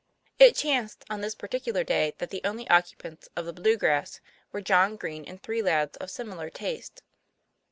It chanced on this particular day that the only oc cupants of the " Blue grass" were John Green and three lads of similar taste.